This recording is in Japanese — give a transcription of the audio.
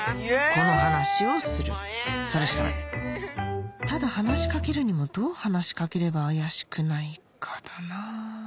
この話をするそれしかないただ話しかけるにもどう話しかければ怪しくないかだなぁ